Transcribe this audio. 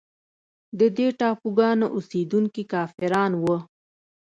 د دې ټاپوګانو اوسېدونکي کافران وه.